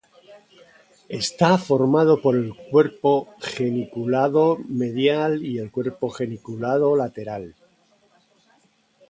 Está formado por el cuerpo geniculado medial y el cuerpo geniculado lateral.